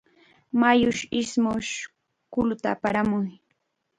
Mayush ismush kulluta aparamun.